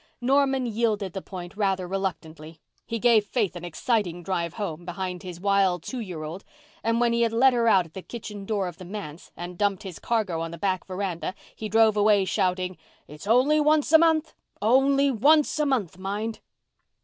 Norman yielded the point rather reluctantly. He gave Faith an exciting drive home, behind his wild two year old, and when he had let her out at the kitchen door of the manse and dumped his cargo on the back veranda he drove away shouting, "It's only once a month—only once a month, mind!"